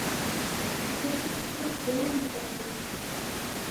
قوشتىن چىقىرىپ سۆرەمگە ساپتۇ.